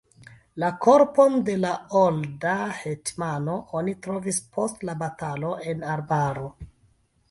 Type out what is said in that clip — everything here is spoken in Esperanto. La korpon de la olda hetmano oni trovis post la batalo en arbaro.